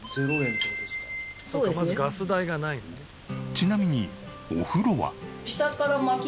ちなみにお風呂は？